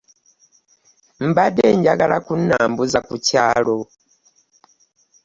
Mbadde njagala ku nambuza ku kyalo.